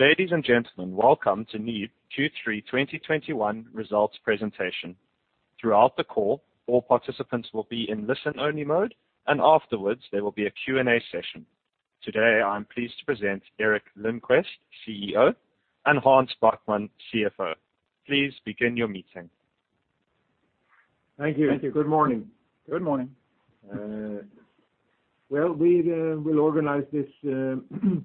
Ladies and gentlemen, welcome to NIBE Q3 2021 Results Presentation. Throughout the call, all participants will be in listen-only mode, and afterwards, there will be a Q&A session. Today, I am pleased to present Gerteric Lindquist, CEO, and Hans Backman, CFO. Please begin your meeting. Thank you. Thank you. Good morning. Good morning. Well, we will organize this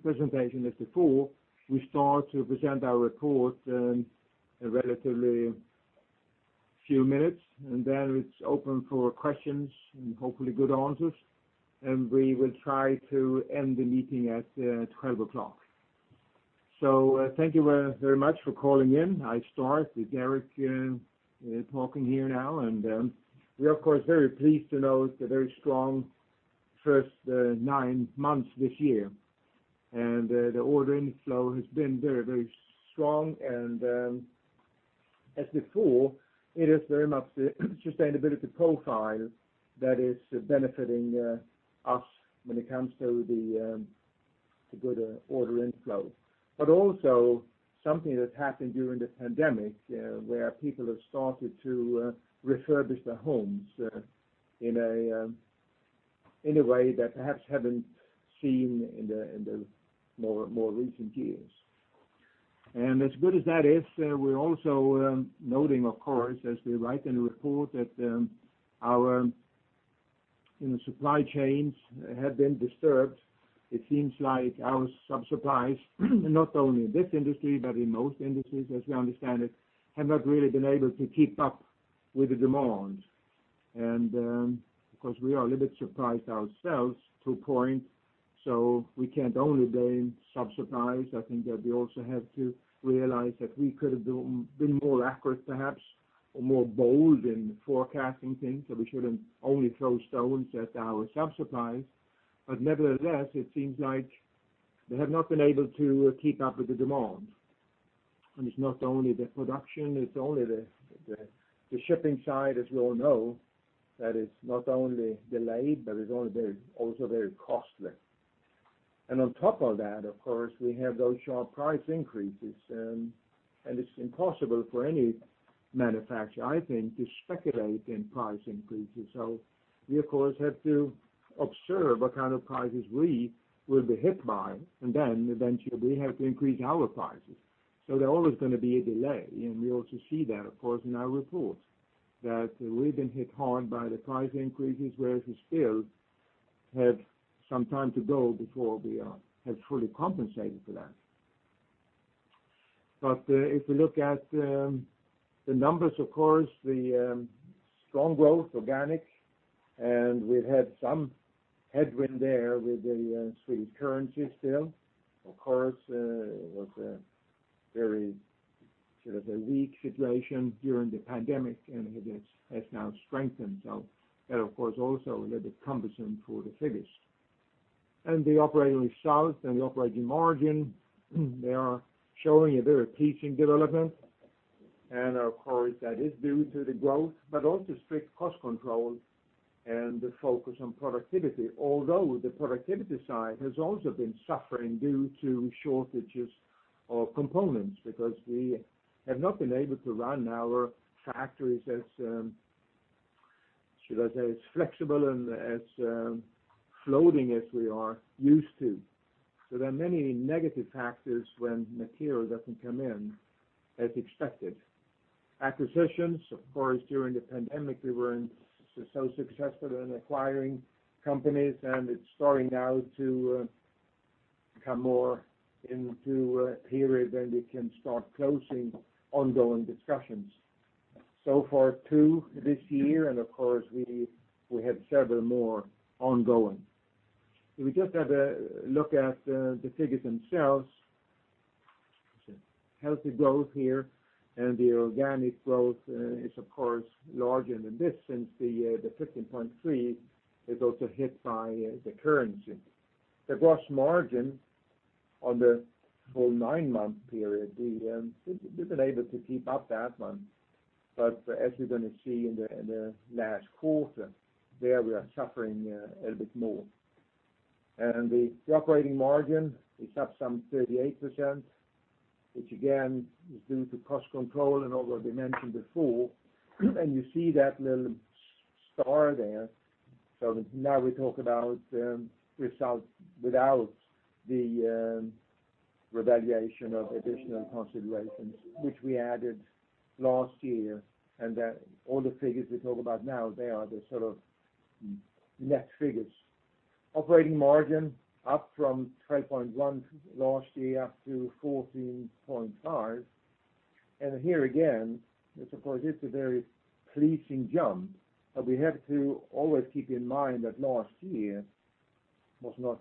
presentation as before. We start to present our report in relatively few minutes, and then it's open for questions and hopefully good answers, and we will try to end the meeting at 12 o'clock. Thank you very, very much for calling in. I start with Gerteric talking here now, and we are of course very pleased to note a very strong first nine months this year. The order inflow has been very, very strong and as before, it is very much the sustainability profile that is benefiting us when it comes to the good order inflow. Also something that happened during the pandemic, where people have started to refurbish their homes in a way that perhaps haven't seen in the more recent years. As good as that is, we're also noting, of course, as we write in the report, that our you know, supply chains have been disturbed. It seems like our sub-suppliers, not only in this industry, but in most industries, as we understand it, have not really been able to keep up with the demand. Of course, we are a little bit surprised ourselves to a point, so we can't only blame sub-suppliers. I think that we also have to realize that we could have been more accurate perhaps, or more bold in forecasting things, so we shouldn't only throw stones at our sub-suppliers. Nevertheless, it seems like they have not been able to keep up with the demand. It's not only the production, it's only the shipping side, as we all know, that is not only delayed, but is also very costly. On top of that, of course, we have those sharp price increases. It's impossible for any manufacturer, I think, to speculate in price increases. We, of course, have to observe what kind of prices we will be hit by, and then eventually we have to increase our prices. There's always gonna be a delay. We also see that, of course, in our report, that we've been hit hard by the price increases, whereas we still have some time to go before we have fully compensated for that. If you look at the numbers, of course, the strong growth, organic, and we've had some headwind there with the Swedish currency still. Of course, it was a very, sort of a weak situation during the pandemic, and it has now strengthened. That, of course, also a little bit cumbersome for the figures. The operating results and the operating margin, they are showing a very pleasing development. Of course, that is due to the growth, but also strict cost control and the focus on productivity. Although the productivity side has also been suffering due to shortages of components because we have not been able to run our factories as, should I say, as flexible and as floating as we are used to. There are many negative factors when material doesn't come in as expected. Acquisitions, of course, during the pandemic, we weren't so successful in acquiring companies, and it's starting now to come more into a period when we can start closing ongoing discussions. So far, two this year, and of course, we have several more ongoing. If we just have a look at the figures themselves. Healthy growth here, and the organic growth is of course larger than this since the 15.3%, is also hit by the currency. The gross margin on the whole nine-month period, we've been able to keep up that one. As you're gonna see in the last quarter, there we are suffering a little bit more. The operating margin is up some 38%, which again, is due to cost control and all that we mentioned before. You see that little s-star there. Now we talk about results without the revaluation of additional considerations which we added last year, and that all the figures we talk about now, they are the sort of net figures. Operating margin up from 12.1% last year up to 14.5%. Here again, this of course is a very pleasing jump, but we have to always keep in mind that last year was not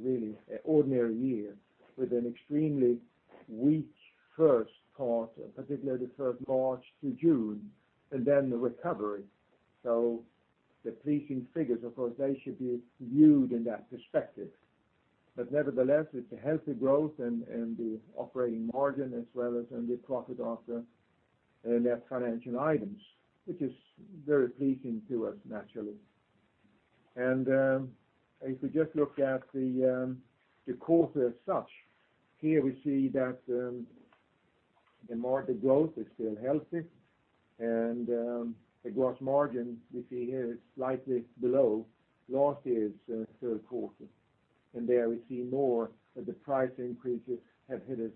really an ordinary year with an extremely weak first quarter, particularly the first March to June, and then the recovery. The pleasing figures, of course, they should be viewed in that perspective. Nevertheless, it's a healthy growth and the operating margin as well as in the profit after net financial items, which is very pleasing to us naturally. If you just look at the quarter as such, here we see that the market growth is still healthy, and the gross margin we see here is slightly below last year's third quarter. There we see more of the price increases have hit us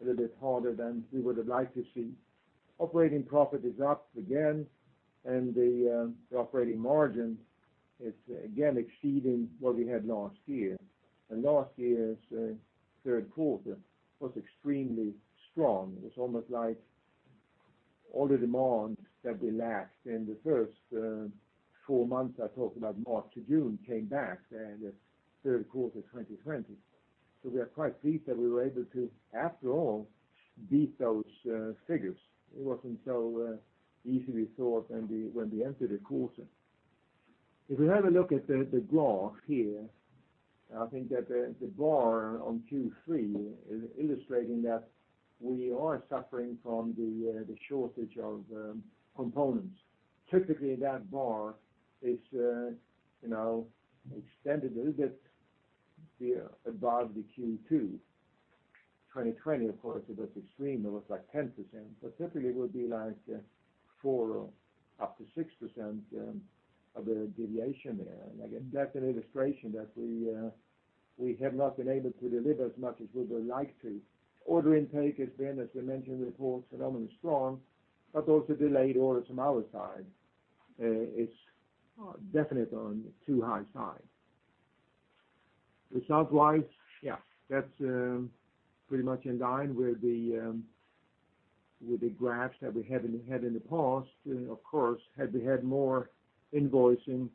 a little bit harder than we would have liked to see. Operating profit is up again, and the operating margin is again exceeding what we had last year. Last year's third quarter was extremely strong. It was almost like all the demand that relaxed in the first four months, I talk about March to June, came back in the third quarter 2020. We are quite pleased that we were able to, after all, beat those figures. It wasn't so easy we thought when we entered the quarter. If we have a look at the graph here, I think that the bar on Q3 is illustrating that we are suffering from the shortage of components. Typically, that bar is, you know, extended a little bit above the Q2 2020. Of course, it was extreme. It was like 10%. Typically, it would be like 4%-6% of a deviation there. Again, that's an illustration that we have not been able to deliver as much as we would like to. Order intake has been, as we mentioned before, phenomenally strong, but also delayed orders from our side is definitely on too high side. Results-wise, yeah, that's pretty much in line with the graphs that we have had in the past. Of course, had we had more invoicing,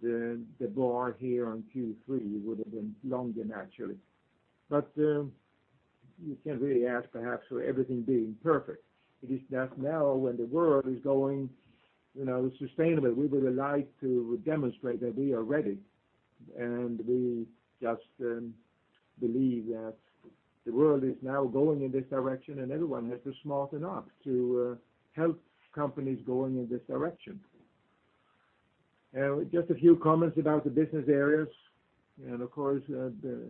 the bar here on Q3 would have been longer naturally. You can't really ask perhaps for everything being perfect. It is just now when the world is going, you know, sustainable, we would like to demonstrate that we are ready, and we just believe that the world is now going in this direction, and everyone has to smarten up to help companies going in this direction. Just a few comments about the business areas, and of course, the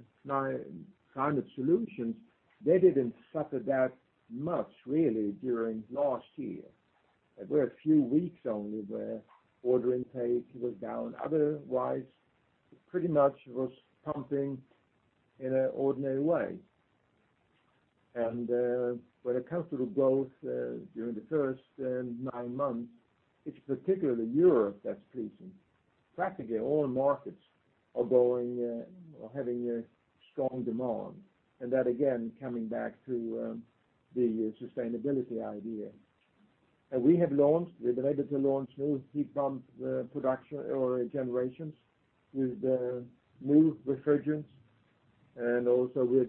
Climate Solutions, they didn't suffer that much really during last year. There were a few weeks only where order intake was down- otherwise, pretty much was pumping in an ordinary way. When it comes to the growth during the first nine months, it's particularly Europe that's pleasing. Practically all markets are going or having a strong demand, and that again, coming back to the sustainability idea. We have launched, we've been able to launch new heat pump production or generations with new refrigerants and also with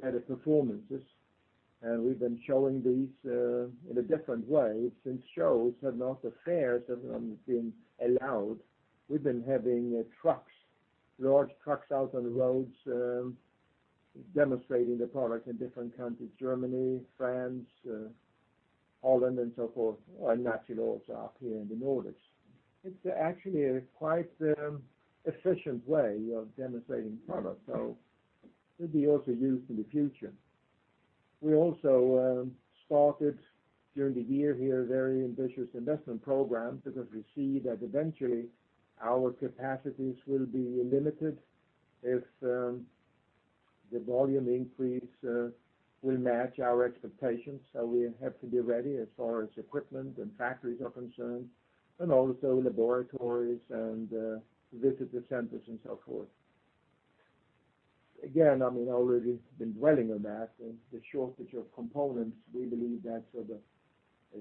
better performances. We've been showing these in a different way since fairs have not been allowed. We've been having trucks, large trucks out on the roads demonstrating the product in different countries, Germany, France, Holland and so forth, or naturally also up here in the Nordics. It's actually a quite efficient way of demonstrating product, so it'll be also used in the future. We also started during the year here very ambitious investment program because we see that eventually our capacities will be limited if the volume increase will match our expectations. We have to be ready as far as equipment and factories are concerned, and also laboratories and visitor centers and so forth. Again, I mean, I've already been dwelling on that, and the shortage of components, we believe that's sort of a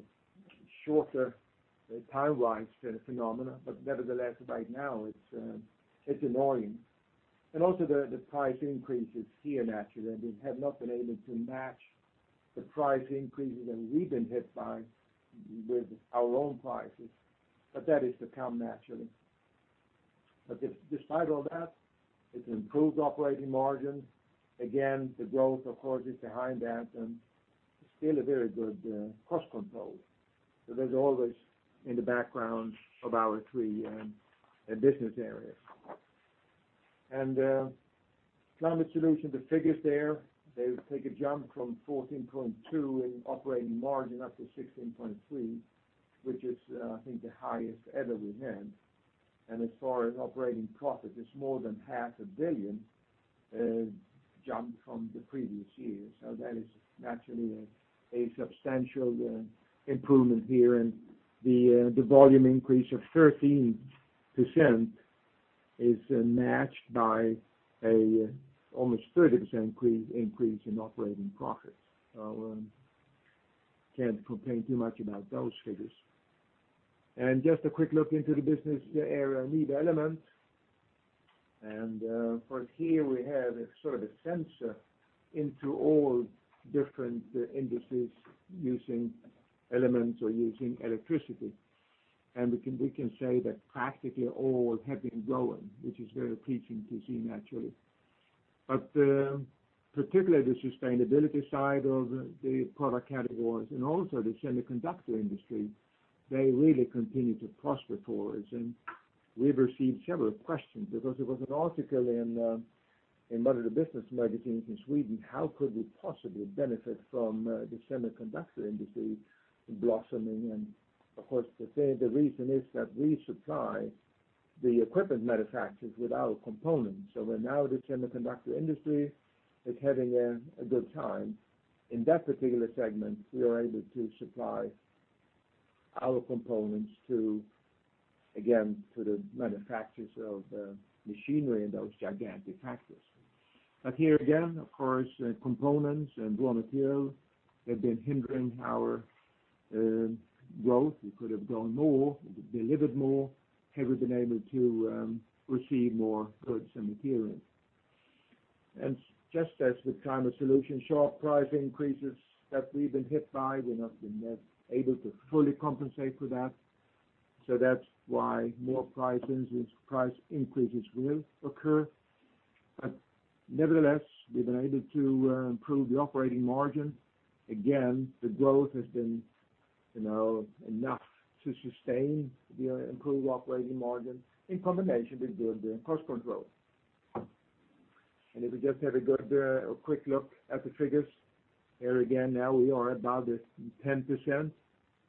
shorter time-wise phenomenon. Nevertheless, right now, it's annoying. Also the price increases here naturally, and we have not been able to match the price increases that we've been hit by with our own prices. That is to come naturally. Despite all that, it's improved operating margin. Again, the growth, of course, is behind that and still a very good cost control. There's always in the background of our three business areas. And, Climate Solutions, the figures there, they take a jump from 14.2% in operating margin up to 16.3%, which is, I think, the highest ever we've had. As far as operating profit, it's more than 0.5 Billion jump from the previous year. That is naturally a substantial improvement here. The volume increase of 13% is matched by an almost 30% increase in operating profits. Can't complain too much about those figures. Just a quick look into the business area NIBE Element. Of course here we have a sort of sensor into all different industries using elements or using electricity. We can say that practically all have been growing, which is very pleasing to see naturally. Particularly the sustainability side of the product categories and also the semiconductor industry, they really continue to prosper for us. We've received several questions because there was an article in one of the business magazines in Sweden, how could we possibly benefit from the semiconductor industry blossoming? Of course, the same reason is that we supply the equipment manufacturers with our components. When now the semiconductor industry is having a good time, in that particular segment, we are able to supply our components to, again, to the manufacturers of machinery in those gigantic factories. Here again, of course, components and raw material have been hindering our growth. We could have grown more, delivered more, had we been able to receive more goods and materials. Just as with Climate Solutions, sharp price increases that we've been hit by, we've not been able to fully compensate for that. That's why more price increases will occur. Nevertheless, we've been able to improve the operating margin. The growth has been, you know, enough to sustain the improved operating margin in combination with good cost control. If we just have a quick look at the figures, here again, now we are about the 10%.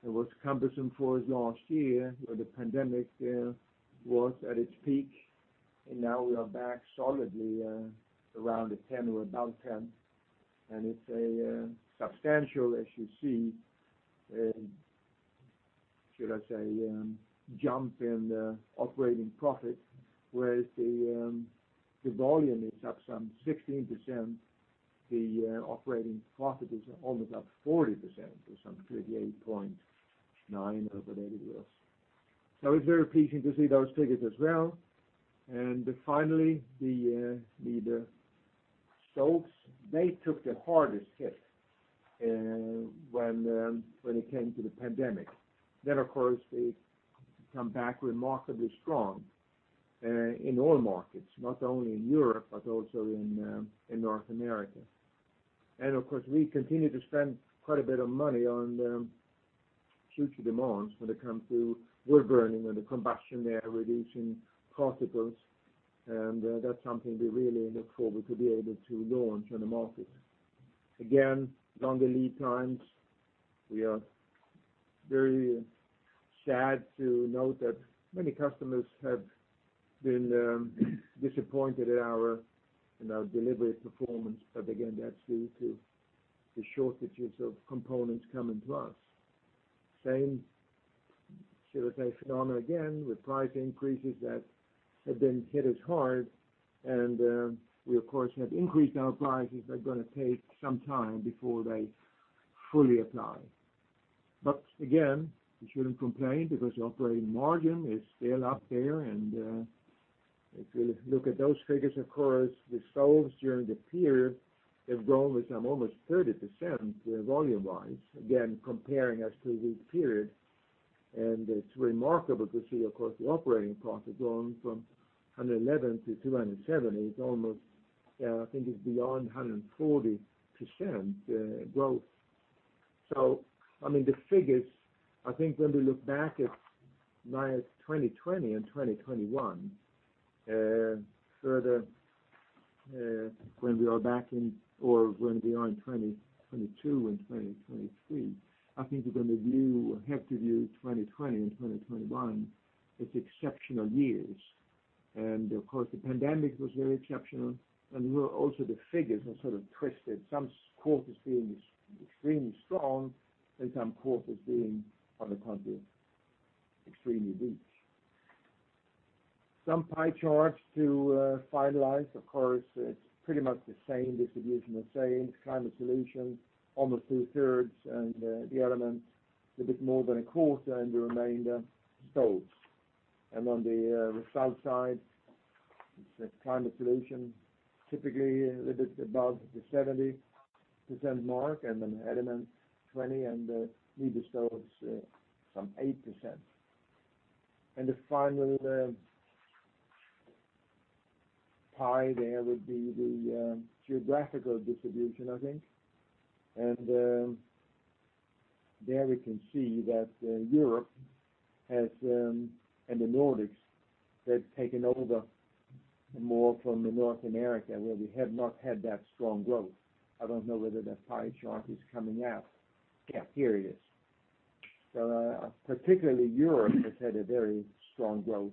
It was cumbersome for us last year, where the pandemic was at its peak, and now we are back solidly around the 10% or above 10%. It's a substantial, as you see, should I say, jump in the operating profit, whereas the volume is up some 16%, the operating profit is almost up 40% or some 38.9% of the daily gross. It's very pleasing to see those figures as well. Finally, the stoves, they took the hardest hit when it came to the pandemic. Of course, they come back remarkably strong in all markets, not only in Europe, but also in North America. Of course, we continue to spend quite a bit of money on the future demands when it comes to wood burning and the combustion air reducing particles, and that's something we really look forward to be able to launch on the market. Again, longer lead times. We are very sad to note that many customers have been disappointed at our, you know, delivery performance. Again, that's due to the shortages of components coming to us. Same phenomena, should I say, again, with price increases that have hit us hard. We, of course, have increased our prices. They're gonna take some time before they fully apply. Again, we shouldn't complain because the operating margin is still up there. If you look at those figures, of course, the stoves during the period have grown with some almost 30%, volume-wise, again, compared to the same period. It's remarkable to see, of course, the operating profit going from $111 to $270. It's almost, I think, beyond 140% growth. I mean, the figures, I think when we look back at 2020 and 2021, further, when we are back in or going beyond 2022 and 2023, I think we're gonna view or have to view 2020 and 2021 as exceptional years. Of course, the pandemic was very exceptional, and also the figures are sort of twisted, some quarters being extremely strong and some quarters being, on the contrary, extremely weak. Some pie charts to finalize. Of course, it's pretty much the same distribution. Climate Solutions, almost two-thirds, and the Elements a bit more than a quarter, and the remainder, Stoves. On the south side, it's the Climate Solutions, typically a little bit above the 70% mark, and then Elements 20%, and the Stoves some 8%. The final pie there would be the geographical distribution, I think. There we can see that Europe has and the Nordics have taken over more from North America, where we have not had that strong growth. I don't know whether that pie chart is coming out. Yeah, here it is. Particularly Europe has had a very strong growth,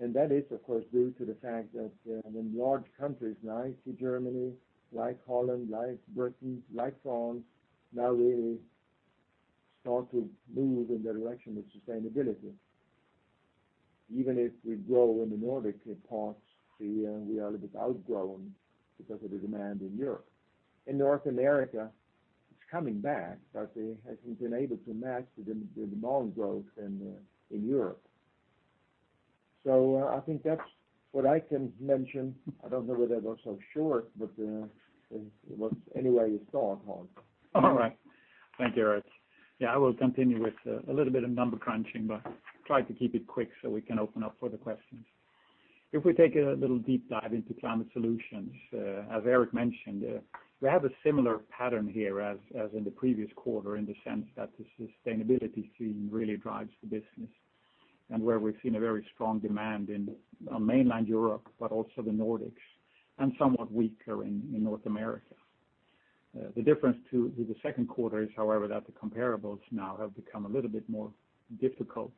and that is, of course, due to the fact that when large countries like Germany, like Holland, like Britain, like France now really start to move in the direction of sustainability. Even if we grow in the Nordic parts, we are a bit outgrown because of the demand in Europe. In North America, it's coming back, but it hasn't been able to match the volume growth in Europe. I think that's what I can mention. I don't know whether I was so short, but it was anyway you saw it, Hans. All right. Thank you, Eric. Yeah, I will continue with a little bit of number crunching, but try to keep it quick so we can open up for the questions. If we take a little deep dive into Climate Solutions, as Eric mentioned, we have a similar pattern here as in the previous quarter in the sense that the sustainability theme really drives the business, and where we've seen a very strong demand in on mainland Europe, but also the Nordics, and somewhat weaker in North America. The difference to the second quarter is, however, that the comparables now have become a little bit more difficult,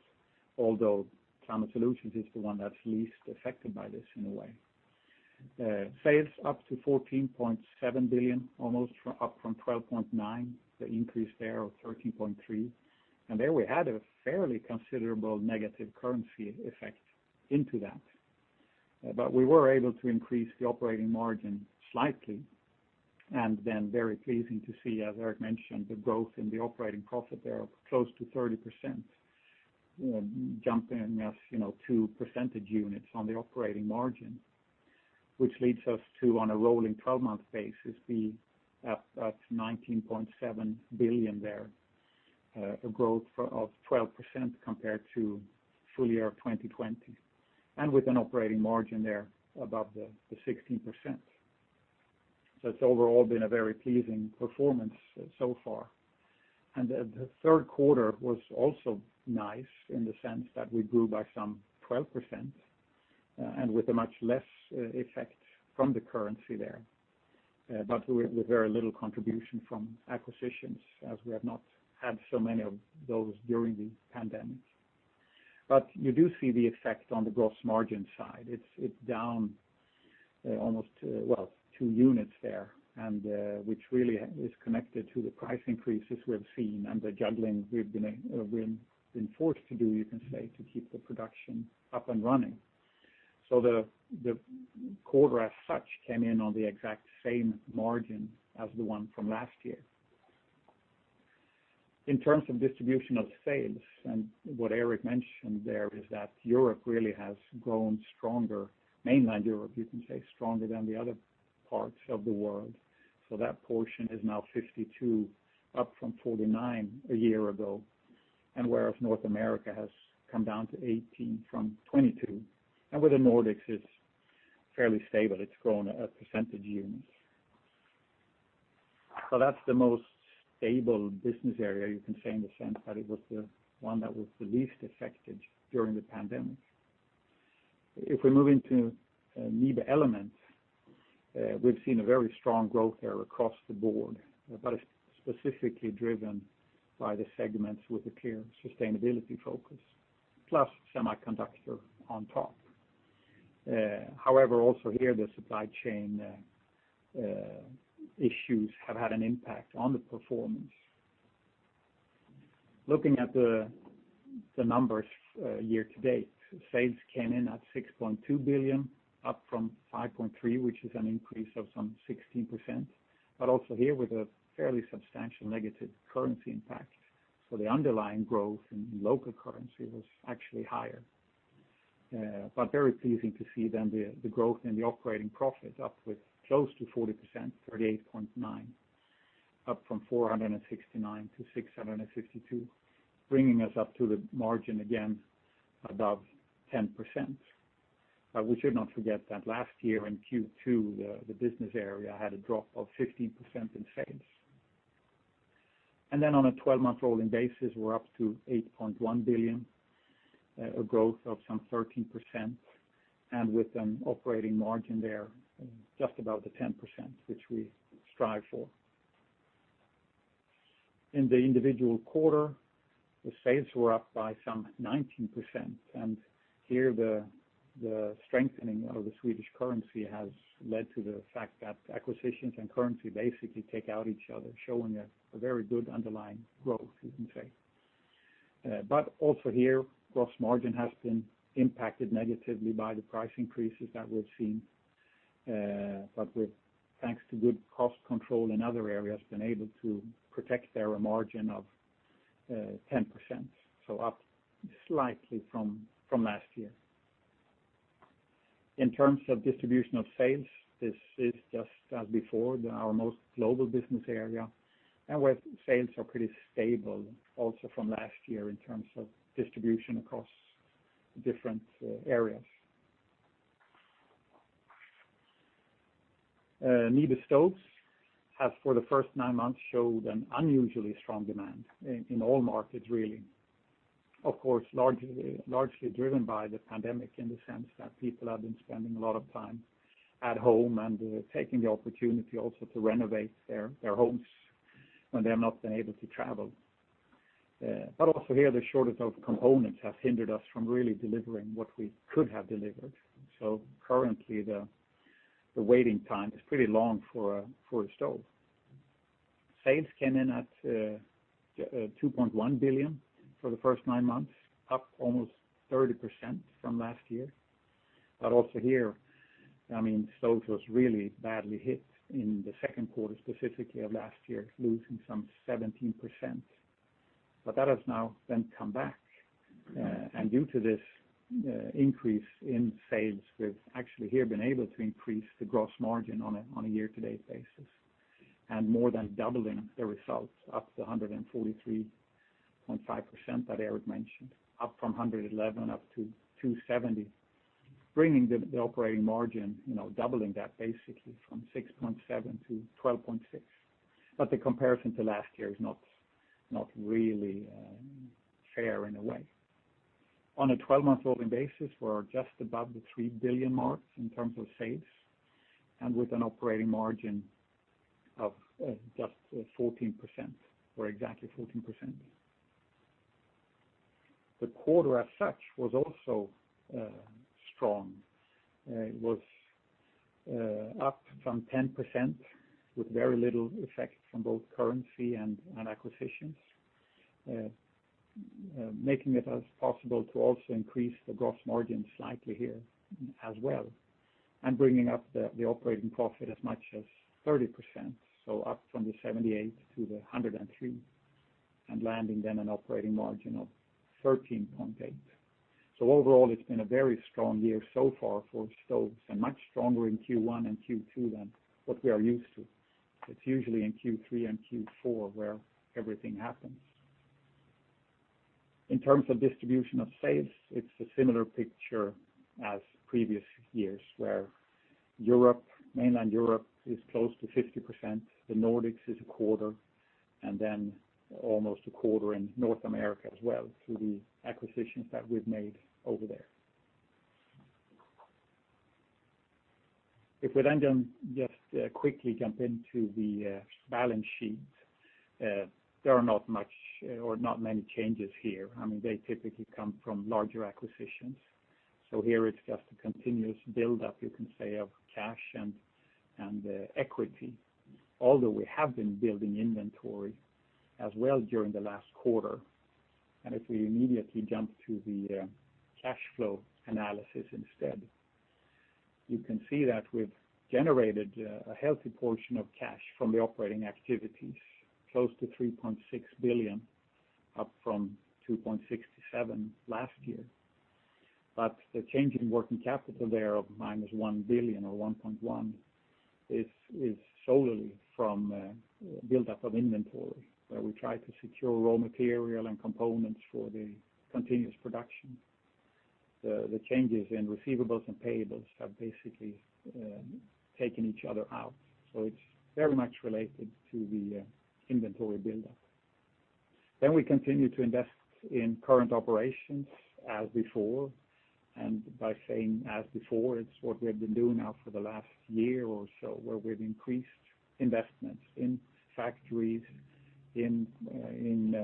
although Climate Solutions is the one that's least affected by this in a way. Sales up to 14.7 billion, up from 12.9 billion, the increase there of 13.3%. There we had a fairly considerable negative currency effect into that. But we were able to increase the operating margin slightly and then very pleasing to see, as Gerteric mentioned, the growth in the operating profit there, close to 30%, jumping us, you know, two percentage units on the operating margin, which leads us to, on a rolling twelve-month basis, be at 19.7 billion there, a growth of 12% compared to full year of 2020, and with an operating margin there above the 16%. It's overall been a very pleasing performance so far. The third quarter was also nice in the sense that we grew by some 12%, and with a much less effect from the currency there. With very little contribution from acquisitions, as we have not had so many of those during the pandemic. You do see the effect on the gross margin side. It's down almost two units there, which really is connected to the price increases we have seen and the juggling we've been forced to do, you can say, to keep the production up and running. The quarter as such came in on the exact same margin as the one from last year. In terms of distribution of sales, what Eric mentioned there is that Europe really has grown stronger, mainland Europe, you can say, stronger than the other parts of the world. That portion is now 52%, up from 49% a year ago. Whereas North America has come down to 18 from 22, and where the Nordics is fairly stable, it's grown a percentage unit. That's the most stable business area you can say in the sense that it was the one that was the least affected during the pandemic. If we move into NIBE Element, we've seen a very strong growth there across the board, but it's specifically driven by the segments with a clear sustainability focus, plus semiconductor on top. However, also here, the supply chain issues have had an impact on the performance. Looking at the numbers, year-to-date, sales came in at 6.2 billion, up from 5.3 billion, which is an increase of some 16%, but also here with a fairly substantial negative currency impact. The underlying growth in local currency was actually higher. Very pleasing to see the growth in the operating profit up with close to 40%, 38.9, up from 469 to 662, bringing us up to the margin again above 10%. We should not forget that last year in Q2, the business area had a drop of 15% in sales. Then on a 12-month rolling basis, we're up to 8.1 billion, a growth of some 13%, and with an operating margin there just about the 10%, which we strive for. In the individual quarter, the sales were up by some 19%. Here the strengthening of the Swedish currency has led to the fact that acquisitions and currency basically take out each other, showing a very good underlying growth, you can say. Also here, gross margin has been impacted negatively by the price increases that we've seen, but with thanks to good cost control in other areas, been able to protect their margin of 10%, so up slightly from last year. In terms of distribution of sales, this is just as before our most global business area, and where sales are pretty stable also from last year in terms of distribution across different areas. NIBE Stoves has for the first nine months showed an unusually strong demand in all markets really. Of course, largely driven by the pandemic in the sense that people have been spending a lot of time at home and taking the opportunity also to renovate their homes when they have not been able to travel. Also here, the shortage of components has hindered us from really delivering what we could have delivered. Currently the waiting time is pretty long for a stove. Sales came in at 2.1 billion for the first nine months, up almost 30% from last year. Also here, I mean, stoves was really badly hit in the second quarter, specifically of last year, losing some 17%. That has now then come back. Due to this increase in sales, we've actually here been able to increase the gross margin on a year-to-date basis, and more than doubling the results up to 143.5% that Eric mentioned, up from 111 million up to 270 million, bringing the operating margin, you know, doubling that basically from 6.7% to 12.6%. The comparison to last year is not really fair in a way. On a twelve-month rolling basis, we're just above the 3 billion mark in terms of sales and with an operating margin of just 14% or exactly 14%. The quarter as such was also strong. It was up from 10% with very little effect from both currency and acquisitions, making it possible to also increase the gross margin slightly here as well, and bringing up the operating profit as much as 30%, so up from 78 million to 103 million, and landing then an operating margin of 13.8%. Overall, it's been a very strong year so far for Stoves and much stronger in Q1 and Q2 than what we are used to. It's usually in Q3 and Q4 where everything happens. In terms of distribution of sales, it's a similar picture as previous years, where Europe, Mainland Europe is close to 50%, the Nordics is a quarter, and then almost a quarter in North America as well through the acquisitions that we've made over there. If we then just quickly jump into the balance sheet, there are not much or not many changes here. I mean, they typically come from larger acquisitions. Here it's just a continuous buildup, you can say, of cash and equity, although we have been building inventory as well during the last quarter. If we immediately jump to the cash flow analysis instead, you can see that we've generated a healthy portion of cash from the operating activities, close to 3.6 billion, up from 2.67 billion last year. The change in working capital there of -1 billion or -1.1 billion is solely from buildup of inventory, where we try to secure raw material and components for the continuous production. The changes in receivables and payables have basically taken each other out. It's very much related to the inventory buildup. We continue to invest in current operations as before. By saying as before, it's what we have been doing now for the last year or so, where we've increased investments in factories, in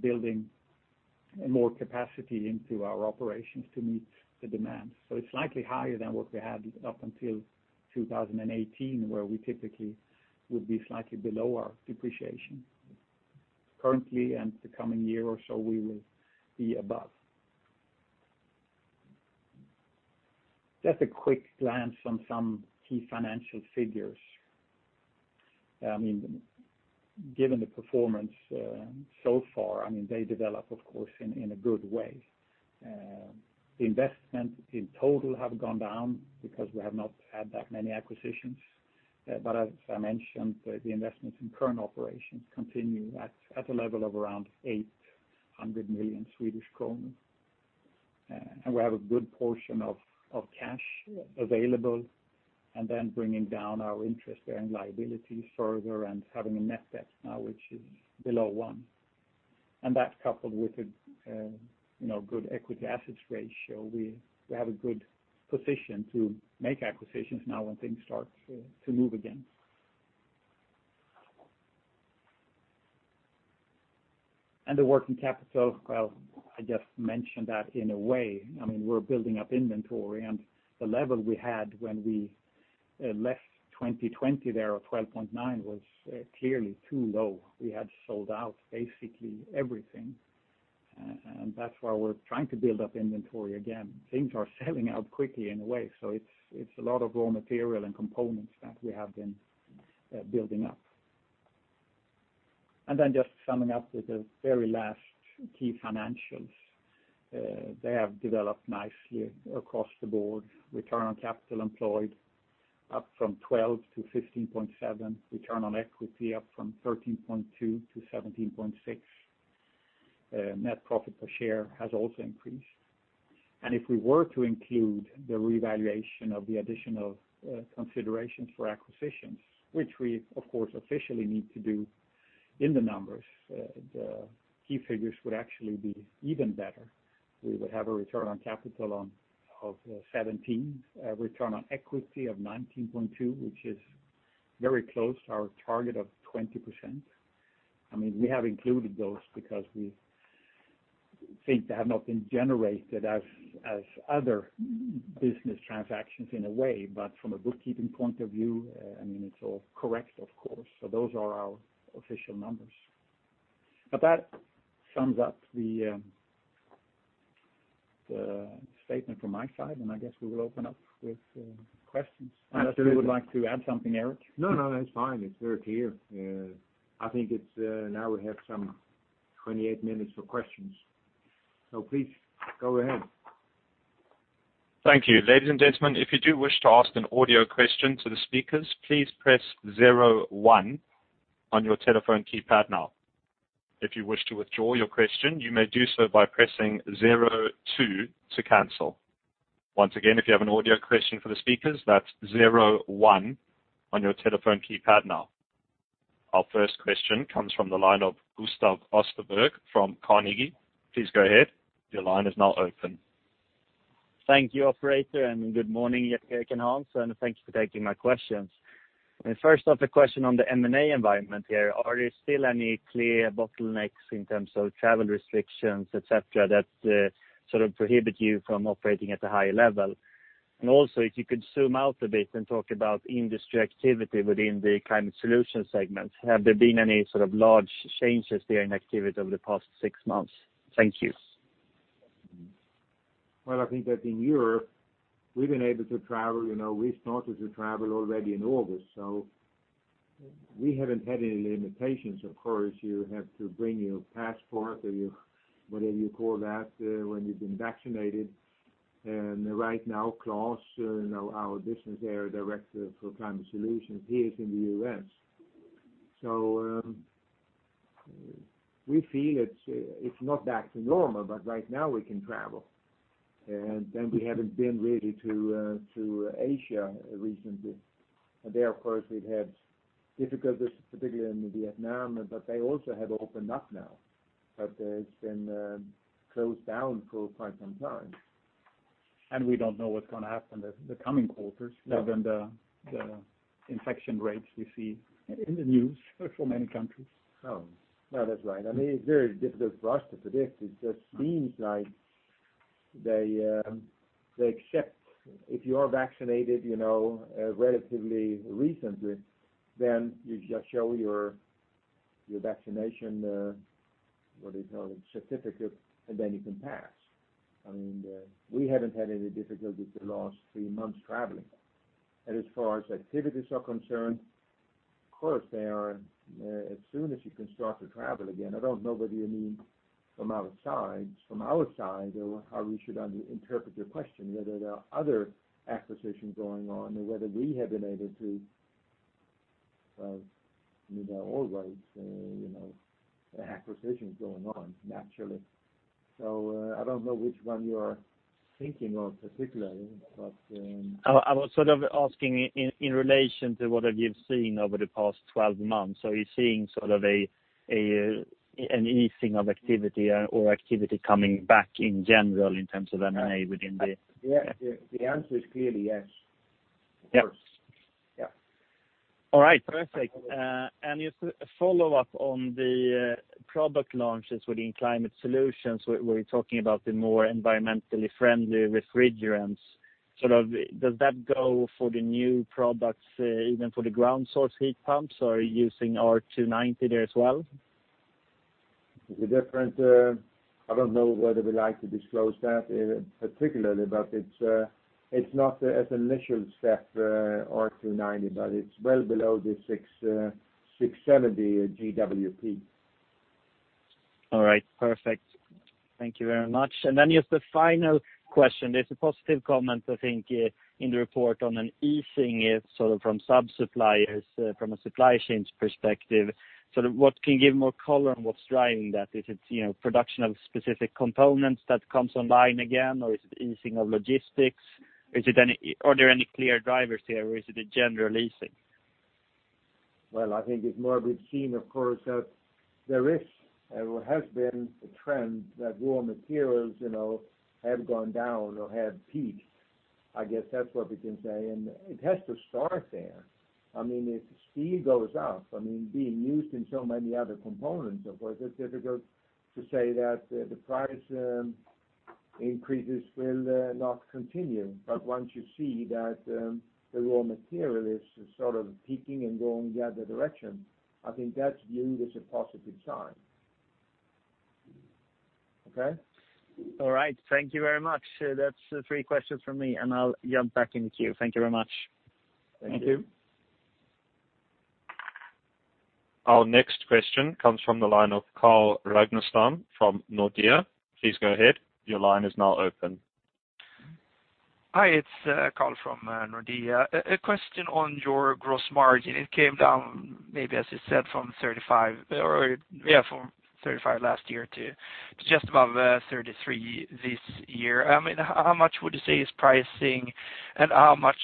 building more capacity into our operations to meet the demand. It's slightly higher than what we had up until 2018, where we typically would be slightly below our depreciation. Currently, and the coming year or so we will be above. Just a quick glance on some key financial figures. I mean, given the performance so far, I mean, they develop of course in a good way. The investment in total have gone down because we have not had that many acquisitions. As I mentioned, the investments in current operations continue at a level of around 800 million Swedish kronor. We have a good portion of cash available, and then bringing down our interest bearing liability further and having a net debt now which is below 1. That coupled with you know, good equity assets ratio, we have a good position to make acquisitions now when things start to move again. The working capital, well, I just mentioned that in a way. I mean, we're building up inventory, and the level we had when we left 2020 there of 12.9% was clearly too low. We had sold out basically everything. That's why we're trying to build up inventory again. Things are selling out quickly in a way, so it's a lot of raw material and components that we have been building up. Then just summing up with the very last key financials. They have developed nicely across the board. Return on capital employed up from 12% to 15.7%. Return on equity up from 13.2% to 17.6%. Net profit per share has also increased. If we were to include the revaluation of the additional considerations for acquisitions, which we of course officially need to do in the numbers, the key figures would actually be even better. We would have a return on capital of 17%, a return on equity of 19.2%, which is very close to our target of 20%. I mean, we have included those because we think they have not been generated as other business transactions in a way. From a bookkeeping point of view, I mean, it's all correct, of course. Those are our official numbers. That sums up the statement from my side, and I guess we will open up with questions. Unless you would like to add something, Eric? No, no, that's fine. It's very clear. I think it's now we have some 28 minutes for questions, so please go ahead. Thank you. Ladies and gentlemen, if you do wish to ask an audio question to the speakers, please press zero one on your telephone keypad now. If you wish to withdraw your question, you may do so by pressing zero two to cancel. Once again, if you have an audio question for the speakers, that's zero one on your telephone keypad now. Our first question comes from the line of Gustav Österberg from Carnegie. Please go ahead. Your line is now open. Thank you, operator, and good morning, Eric and Hans, and thank you for taking my questions. First off, a question on the M&A environment here- are there still any clear bottlenecks in terms of travel restrictions, et cetera, that sort of prohibit you from operating at a high level? Also, if you could zoom out a bit and talk about industry activity within the Climate Solution segment- have there been any sort of large changes there in activity over the past six months? Thank you. Well, I think that in Europe, we've been able to travel. You know, we started to travel already in August, so we haven't had any limitations. Of course, you have to bring your passport or your whatever you call that when you've been vaccinated. Right now, Klas, you know, our Business Area Director for NIBE Climate Solution, he is in the U.S. So we feel it's not back to normal, but right now we can travel. Then we haven't been really to Asia recently. There, of course, we've had difficulties, particularly in Vietnam, but they also have opened up now but it's been closed down for quite some time. We don't know what's gonna happen the coming quarters, given the infection rates we see in the news for many countries. No, that's right. I mean, it's very difficult for us to predict. It just seems like they accept if you are vaccinated, you know, relatively recently, then you just show your vaccination certificate, and then you can pass. I mean, we haven't had any difficulties the last three months traveling. As far as activities are concerned, of course, there are as soon as you can start to travel again. I don't know whether you mean from our side or how we should interpret your question, whether there are other acquisitions going on or whether we have been able to, you know, always, you know, have acquisitions going on, naturally. I don't know which one you are thinking of particularly, but... I was sort of asking in relation to what have you seen over the past 12 months. Are you seeing sort of an easing of activity or activity coming back in general in terms of M&A within the- Yeah. The answer is clearly yes. Yeah. Yeah. All right. Perfect. Just a follow-up on the product launches within Climate Solutions. Were you talking about the more environmentally friendly refrigerants? Sort of does that go for the new products, even for the ground source heat pumps, or are you using R290 there as well? I don't know whether we like to disclose that particularly, but it's not an initial step, R290, but it's well below the 670 GWP. All right. Perfect. Thank you very much. Just a final question. There's a positive comment, I think, in the report on an easing, sort of from sub-suppliers, from a supply chains perspective. Sort of what can give more color on what's driving that? Is it, you know, production of specific components that comes online again, or is it easing of logistics? Are there any clear drivers here, or is it a general easing? Well, I think it's more we've seen, of course, that there is or has been a trend that raw materials, you know, have gone down or have peaked. I guess that's what we can say. It has to start there. I mean, if steel goes up, I mean, being used in so many other components, of course, it's difficult to say that the price increases will not continue. Once you see that the raw material is sort of peaking and going the other direction, I think that's viewed as a positive sign. Okay? All right. Thank you very much. That's three questions from me, and I'll jump back in the queue. Thank you very much. Thank you. Our next question comes from the line of Carl Ragnerstam from Nordea. Please go ahead. Your line is now open. Hi, it's Carl from Nordea. A question on your gross margin. It came down maybe as you said, from 35% last year to just above 33% this year. I mean, how much would you say is pricing and how much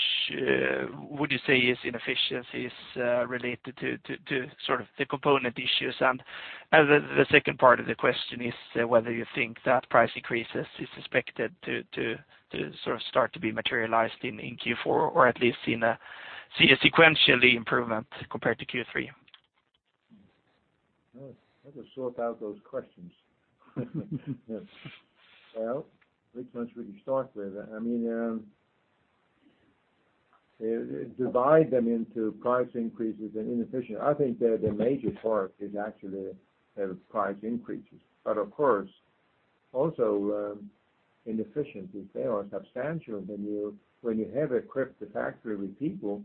would you say is inefficiencies related to sort of the component issues? The second part of the question is whether you think that price increases is expected to sort of start to be materialized in Q4 or at least see a sequential improvement compared to Q3. I'll just sort out those questions. Well, which one should we start with? I mean, divide them into price increases and inefficient. I think the major part is actually the price increases. Of course, also inefficient if they are substantial, then when you have equipped the factory with people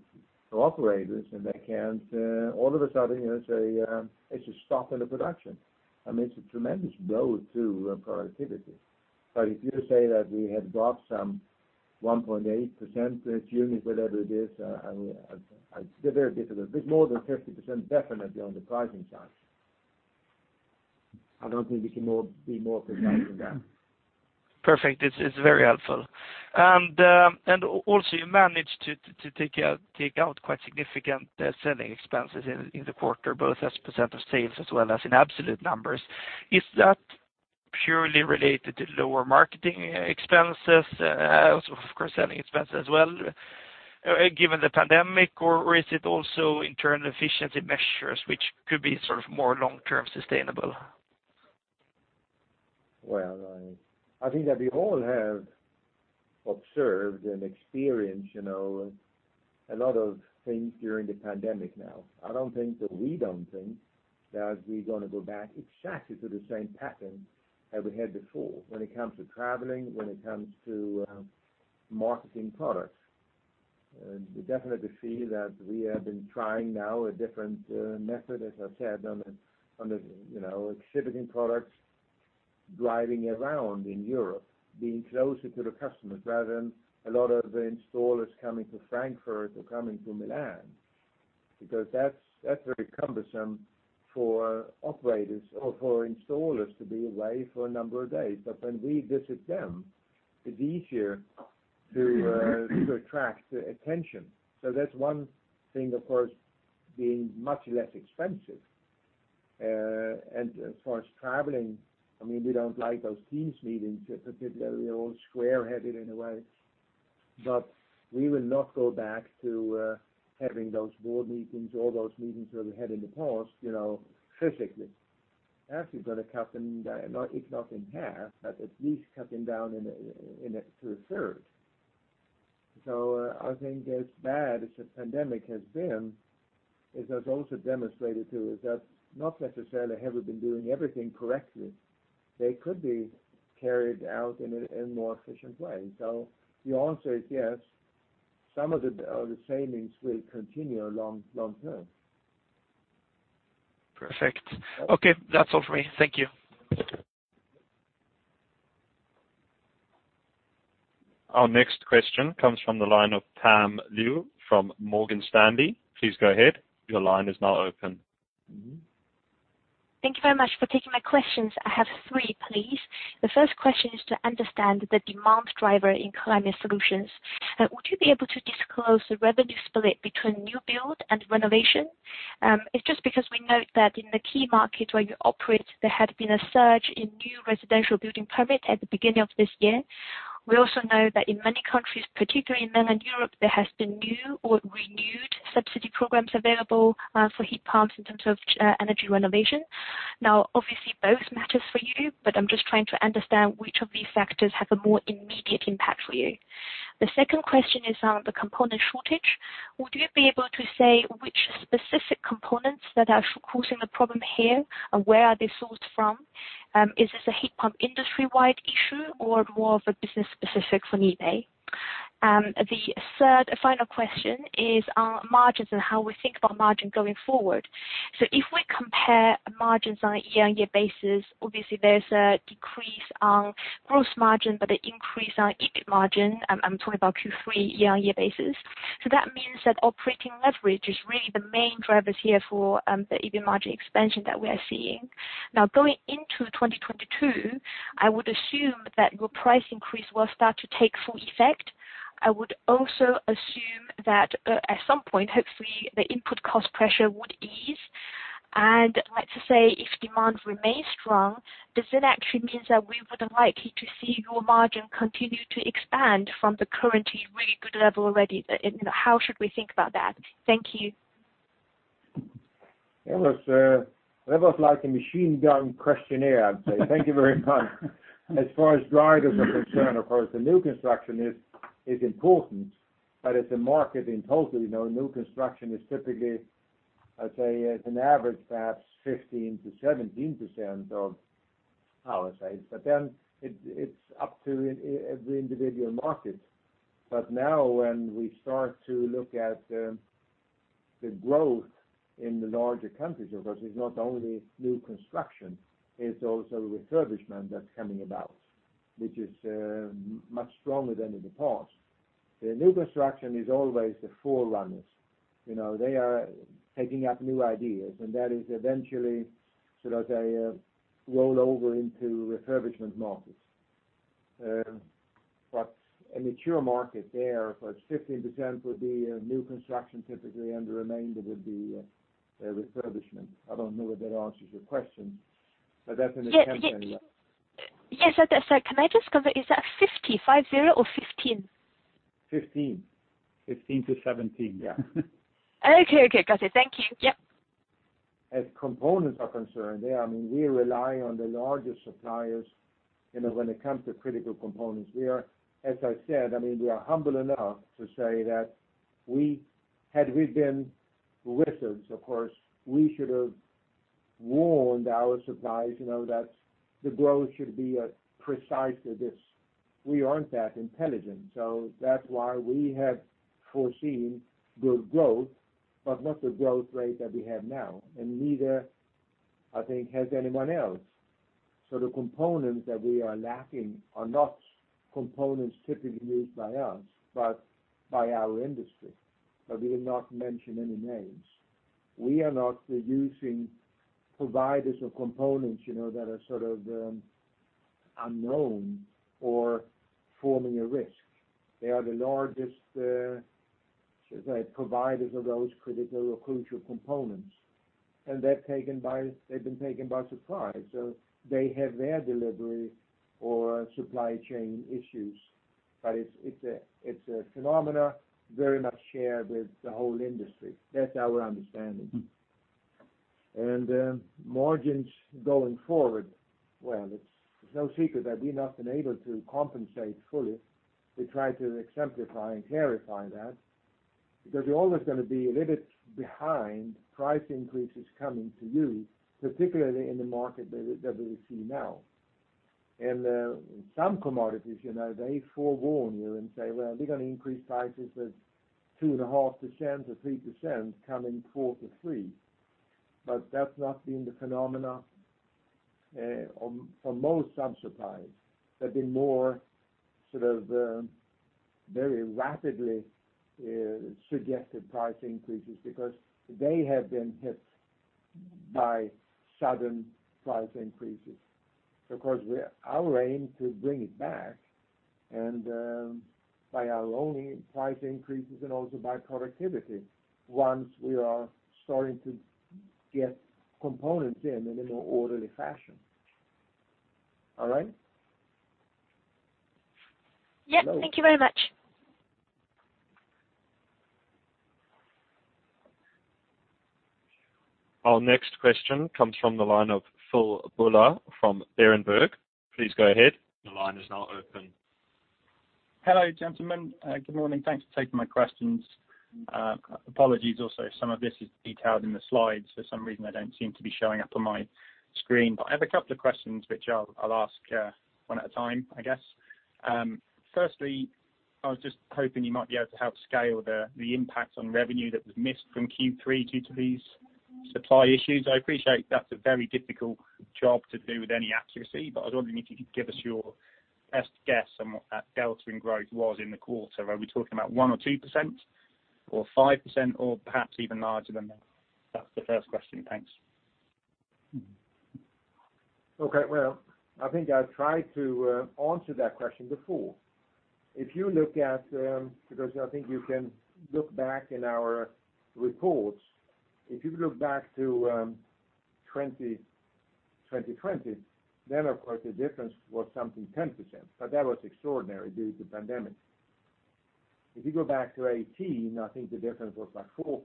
or operators and they can't- all of a sudden, you know, say it's a stop in the production. I mean, it's a tremendous blow to productivity. If you say that we have got some 1.8% this unit, whatever it is, I mean, it's very difficult, but more than 50% definitely on the pricing side. I don't think we can be more precise than that. Perfect. It's very helpful. You managed to take out quite significant selling expenses in the quarter, both as a percent of sales as well as in absolute numbers. Is that purely related to lower marketing expenses, also, of course, selling expenses as well, given the pandemic or is it also internal efficiency measures which could be sort of more long-term sustainable? Well, I think that we all have observed and experienced, you know, a lot of things during the pandemic now. I don't think that we're gonna go back exactly to the same pattern that we had before when it comes to traveling, when it comes to marketing products. We definitely see that we have been trying now a different method, as I said, on the you know, exhibiting products, driving around in Europe, being closer to the customers rather than a lot of the installers coming to Frankfurt or coming to Milan, because that's very cumbersome for operators or for installers to be away for a number of days. When we visit them, it's easier to attract the attention. That's one thing, of course, being much less expensive. As far as traveling, I mean, we don't like those Teams meetings, particularly, they're all square-headed in a way, but we will not go back to having those board meetings or those meetings that we had in the past, you know, physically. That is gonna cut them down, if not in half, but at least cut them down to a third. I think as bad as the pandemic has been, it has also demonstrated to us that not necessarily have we been doing everything correctly. They could be carried out in a more efficient way. The answer is yes. Some of the savings will continue long term. Perfect. Okay. That's all for me. Thank you. Our next question comes from the line of Pam Liu from Morgan Stanley. Please go ahead. Your line is now open. Thank you very much for taking my questions. I have three, please. The first question is to understand the demand driver in climate solutions. Would you be able to disclose the revenue split between new build and renovation? It's just because we note that in the key markets where you operate, there had been a surge in new residential building permit at the beginning of this year. We also know that in many countries, particularly in mainland Europe, there has been new or renewed subsidy programs available for heat pumps in terms of energy renovation. Now, obviously, both matters for you, but I'm just trying to understand which of these factors have a more immediate impact for you. The second question is on the component shortage. Would you be able to say which specific components that are causing the problem here? Where are they sourced from? Is this a heat pump industry-wide issue or more of a business specific for NIBE? The third and final question is on margins and how we think about margin going forward. If we compare margins on a year-on-year basis, obviously there's a decrease on gross margin, but an increase on EBIT margin. I'm talking about Q3 year-on-year basis. That means that operating leverage is really the main drivers here for the EBIT margin expansion that we are seeing. Going into 2022, I would assume that your price increase will start to take full effect. I would also assume that at some point, hopefully, the input cost pressure would ease. Let's say if demand remains strong, does it actually means that we would likely to see your margin continue to expand from the currently really good level already? How should we think about that? Thank you. That was like a machine gun questionnaire, I'd say. Thank you very much. As far as drivers are concerned, of course, the new construction is important, but as a market in total, you know, new construction is typically, I'd say, as an average, perhaps 15%-17% of our sales. But then it's up to every individual market. But now when we start to look at the growth in the larger countries, of course, it's not only new construction, it's also refurbishment that's coming about, which is much stronger than in the past. The new construction is always the forerunners. You know, they are taking up new ideas, and that is eventually, should I say, roll over into refurbishment markets. A mature market there, but 15% would be new construction typically, and the remainder would be refurbishment. I don't know whether that answers your question, but that's an attempt anyway. Yes. Sorry. Can I just confirm, is that 50% or 15%? 15%. 15% to %17. Yeah. Okay. Got it. Thank you. Yep. As components are concerned, they are, I mean, we rely on the largest suppliers, you know, when it comes to critical components. We are, as I said, I mean, we are humble enough to say that we had we been wizards, of course, we should have warned our suppliers, you know, that the growth should be at precisely this. We aren't that intelligent. That's why we have foreseen good growth, but not the growth rate that we have now, and neither, I think, has anyone else. The components that we are lacking are not components typically used by us, but by our industry. But we will not mention any names. We are not using providers of components, you know, that are sort of, unknown or forming a risk. They are the largest, should say, providers of those critical or crucial components, and they're taken by. They've been taken by surprise. They have their delivery or supply chain issues. It's a phenomenon very much shared with the whole industry. That's our understanding. Margins going forward, well, it's no secret that we've not been able to compensate fully. We try to exemplify and verify that because you're always gonna be a little bit behind price increases coming to you, particularly in the market that we see now. In some commodities, you know, they forewarn you and say, "Well, we're gonna increase prices at 2.5% or 3% coming quarter three." That's not been the phenomenon for most of our suppliers. They've been more sort of very rapidly suggested price increases because they have been hit by sudden price increases. Of course, our aim to bring it back and, by our own price increases and also by productivity once we are starting to get components in a more orderly fashion. All right? Yep. Thank you very much. Our next question comes from the line of Philip Buller from Berenberg. Please go ahead. The line is now open. Hello, gentlemen. Good morning. Thanks for taking my questions. Apologies also, some of this is detailed in the slides. For some reason, they don't seem to be showing up on my screen. I have a couple of questions which I'll ask one at a time, I guess. Firstly, I was just hoping you might be able to help scale the impact on revenue that was missed from Q3 due to these supply issues. I appreciate that's a very difficult job to do with any accuracy, but I was wondering if you could give us your best guess on what that delta in growth was in the quarter. Are we talking about 1% or 2%, or 5%, or perhaps even larger than that? That's the first question. Thanks. Okay. Well, I think I've tried to answer that question before. If you look back in our reports. If you look back to 2020, then, of course, the difference was something 10%, but that was extraordinary due to the pandemic. If you go back to 2018, I think the difference was like 4%.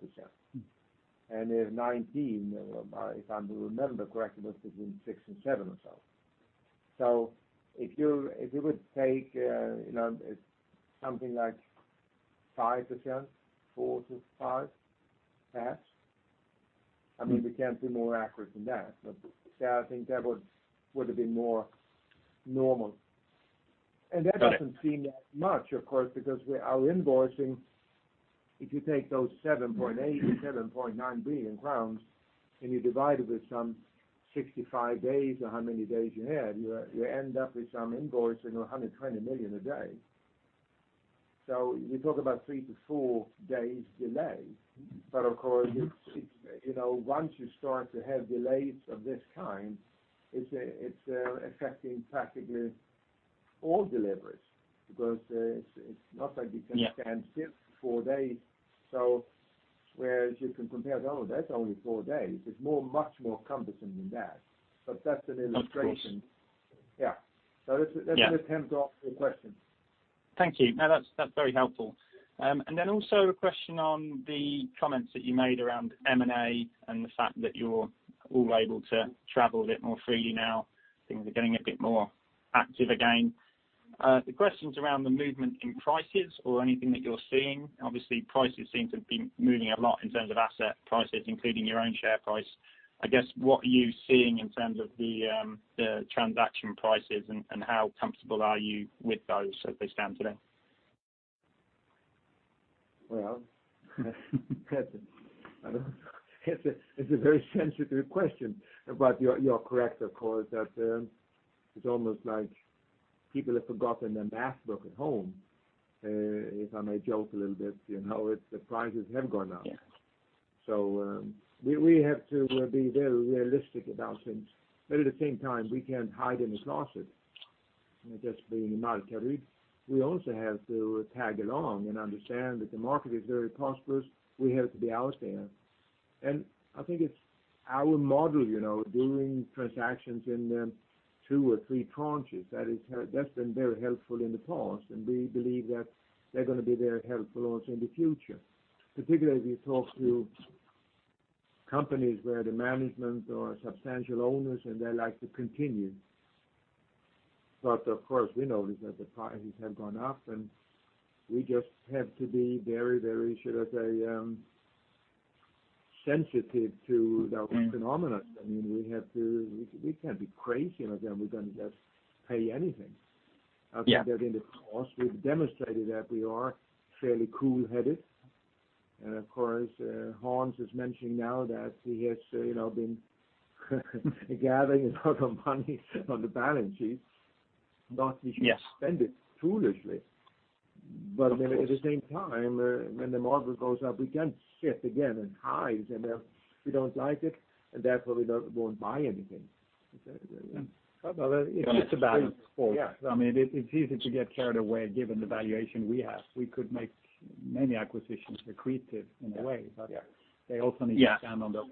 In 2019, if I remember correctly, it was between 6% and 7% or so. If you would take, you know, something like 5%, 4%-5%, perhaps, I mean, we can't be more accurate than that. Yeah, I think that would have been more normal. Got it. That doesn't seem that much, of course, because our invoicing, if you take those 7.8 billion or 7.9 billion crowns, and you divide it with some 65 days or how many days you had, you end up with some invoice of 120 million a day. We talk about three to four days delay. Of course, it's you know, once you start to have delays of this kind, it's affecting practically all deliveries because it's not like you can stand still for four days, so whereas you can compare, "Oh, that's only four days," it's more, much more cumbersome than that. That's an illustration. Of course. Yeah. That's- that's an attempt to answer your question. Thank you- no, that's very helpful. also a question on the comments that you made around M&A and the fact that you're all able to travel a bit more freely now. Things are getting a bit more active again. The question's around the movement in prices or anything that you're seeing. Obviously, prices seem to have been moving a lot in terms of asset prices, including your own share price. I guess, what are you seeing in terms of the transaction prices and how comfortable are you with those as they stand today? Well, it's a very sensitive question. You're correct, of course, that it's almost like people have forgotten their math book at home, if I may joke a little bit. You know, it's the prices have gone up. Yeah. We have to be very realistic about things, but at the same time, we can't hide in this closet, you know, just being in the military. We also have to tag along and understand that the market is very prosperous. We have to be out there. I think it's our model, you know, doing transactions in two or three tranches. That's been very helpful in the past, and we believe that they're gonna be very helpful also in the future, particularly as we talk to companies where the management or substantial owners, and they like to continue. Of course, we notice that the prices have gone up, and we just have to be very, should I say, sensitive to those phenomena. I mean, we have to. We can't be crazy and again we're gonna just pay anything. Yeah. I think that in the past, we've demonstrated that we are fairly cool-headed. Of course, Hans is mentioning now that he has, you know, been gathering a lot of money on the balance sheet, not to- spend it foolishly. At the same time, when the market goes up, we can't sit again and hide, and we don't like it, and therefore we won't buy anything. Is that, yeah... It's a balance. Yeah. I mean, it's easy to get carried away given the valuation we have. We could make many acquisitions accretive in a way. Yeah. They also need to stand on their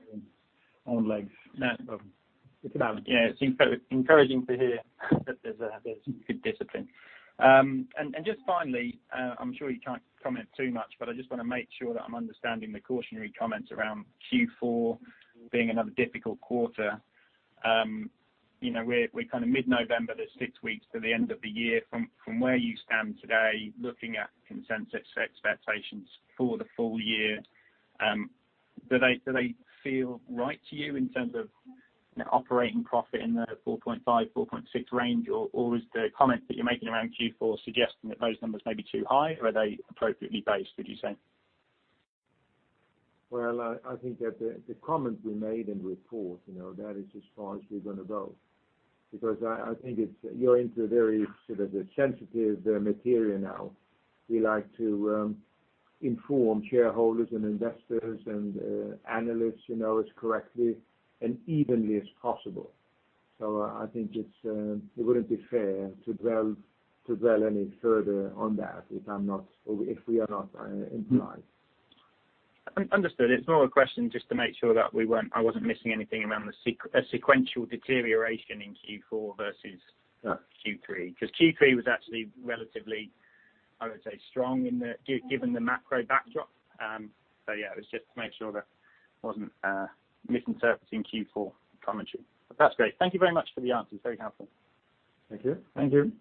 own legs. Yeah, it's encouraging to hear that there's good discipline. Just finally, I'm sure you can't comment too much, but I just wanna make sure that I'm understanding the cautionary comments around Q4 being another difficult quarter. We're kinda mid-November. There's six weeks till the end of the year. From where you stand today, looking at consensus expectations for the full year, do they feel right to you in terms of operating profit in the 4.5 million -4.6 million range? Or is the comment that you're making around Q4 suggesting that those numbers may be too high? Or are they appropriately based, would you say? Well, I think that the comments we made in the report, you know, that is as far as we're gonna go because I think you're into very sort of sensitive material now. We like to inform shareholders and investors and analysts, you know, as correctly and evenly as possible. I think it wouldn't be fair to dwell any further on that if I'm not or if we are not in line. Understood. It's more a question just to make sure that I wasn't missing anything around the sequential deterioration in Q4 versus- Q3, 'cause Q3 was actually relatively, I would say, strong, given the macro backdrop. So yeah, it was just to make sure that I wasn't misinterpreting Q4 commentary. That's great. Thank you very much for the answers. Very helpful. Thank you. Thank you.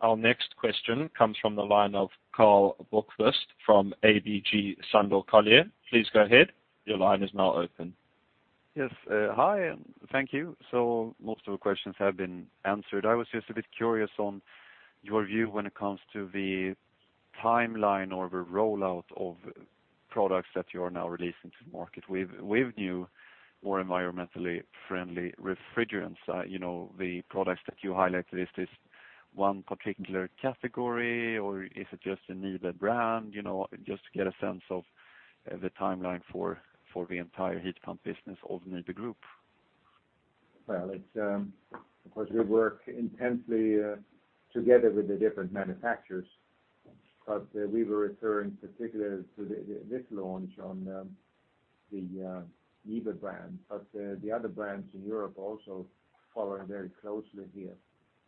Our next question comes from the line of Karl Bokvist from ABG Sundal Collier. Please go ahead. Your line is now open. Yes. Hi, and thank you. Most of the questions have been answered. I was just a bit curious on your view when it comes to the timeline or the rollout of products that you are now releasing to the market with new, more environmentally friendly refrigerants. You know, the products that you highlighted, is this one particular category, or is it just a NIBE brand- you know, just to get a sense of the timeline for the entire heat pump business of NIBE Group. Well, it's. Of course, we work intensely together with the different manufacturers, but we were referring particularly to this launch on the NIBE brand. The other brands in Europe also follow very closely here.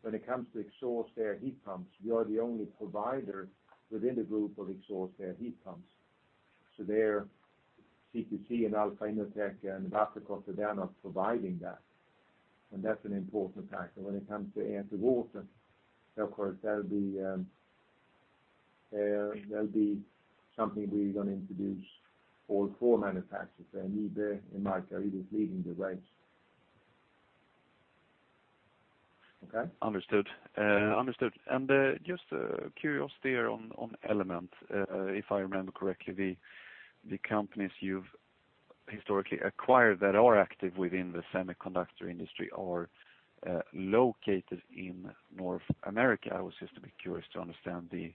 When it comes to exhaust air heat pumps, we are the only provider within the group of exhaust air heat pumps. There, CTC and alpha innotec and WATERKOTTE, they are not providing that, and that's an important factor. When it comes to air-to-water, of course, that'll be something we're gonna introduce to all four manufacturers. NIBE in the market is leading the way. Okay? Understood. Just curiosity on Element. If I remember correctly, the companies you've historically acquired that are active within the semiconductor industry are located in North America. I was just a bit curious to understand the,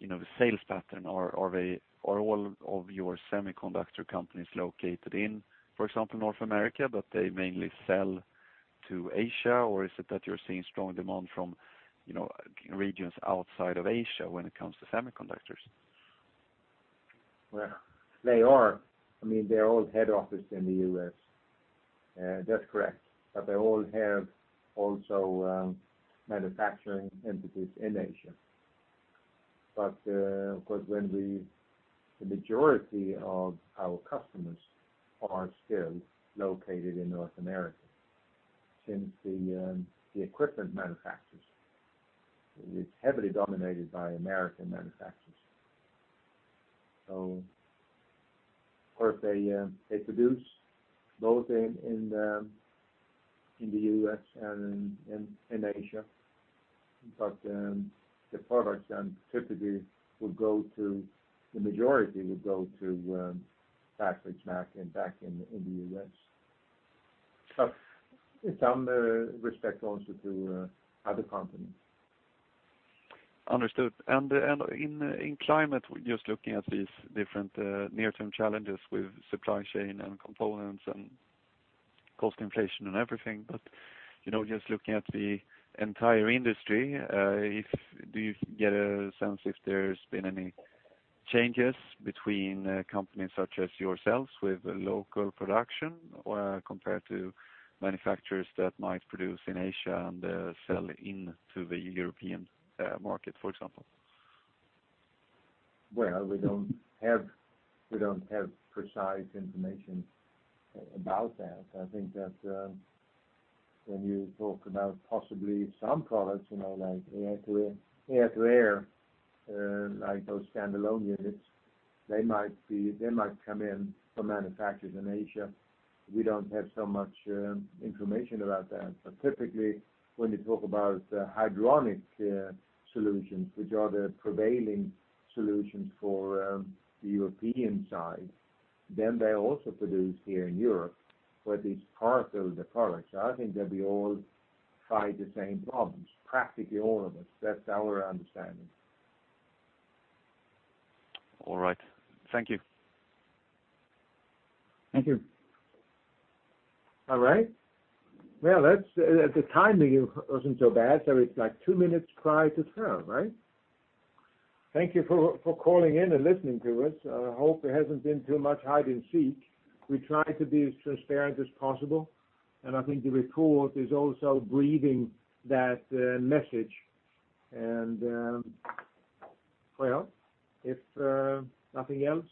you know, sales pattern. Are they- are all of your semiconductor companies located in, for example, North America, but they mainly sell to Asia? Or is it that you're seeing strong demand from, you know, regions outside of Asia when it comes to semiconductors? Well, they are- I mean, they're all head office in the U.S. That's correct, but they all have also manufacturing entities in Asia. The majority of our customers are still located in North America since the equipment manufacturers is heavily dominated by American manufacturers. Of course they produce both in the U.S. and in Asia, but the products then typically would go to the majority would go to back to its market back in the U.S. in some respect also to other companies. Understood. In climate, just looking at these different near-term challenges with supply chain and components and cost inflation and everything, but you know, just looking at the entire industry, do you get a sense if there's been any changes between companies such as yourselves with local production or compared to manufacturers that might produce in Asia and sell into the European market, for example? Well, we don't have precise information about that. I think that when you talk about possibly some products, you know, like air-to-air, like those standalone units, they might come in from manufacturers in Asia. We don't have so much information about that. But typically, when you talk about hydronic solutions, which are the prevailing solutions for the European side, then they also produce here in Europe where these parts of the products. I think that we all fight the same problems, practically all of us. That's our understanding. All right. Thank you. Thank you. All right. Well, that's the timing wasn't so bad, so it's like 2 minutes prior to 12, right? Thank you for calling in and listening to us. I hope it hasn't been too much hide and seek. We try to be as transparent as possible, and I think the report is also preaching that message. If nothing else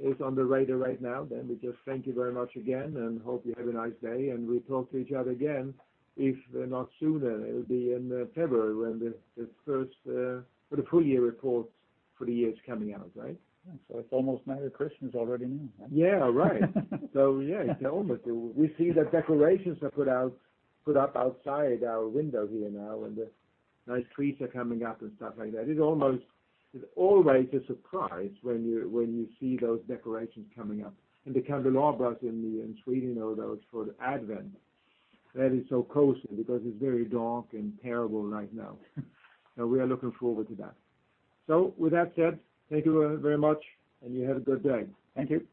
is on the radar right now, then we just thank you very much again and hope you have a nice day. We talk to each other again, if not sooner, it'll be in February when the first for the full year report for the year is coming out, right? It's almost Merry Christmas already now, huh? Yeah, right. Yeah, it's almost. We see the decorations are put up outside our window here now, and the nice trees are coming up and stuff like that. It almost is always a surprise when you see those decorations coming up. The candelabras in Sweden or those for Advent, that is so cozy because it's very dark and terrible right now. We are looking forward to that. With that said, thank you very much, and you have a good day. Thank you.